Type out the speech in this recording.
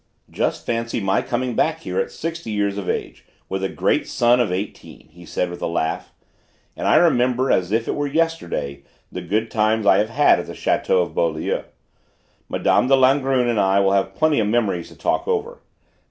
"Just fancy my coming back here at sixty years of age, with a great son of eighteen!" he said with a laugh. "And I remember as if it were yesterday the good times I have had at the château of Beaulieu. Mme. de Langrune and I will have plenty of memories to talk over.